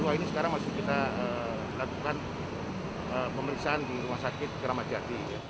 dua ini sekarang masih kita lakukan pemeriksaan di rumah sakit keramat jati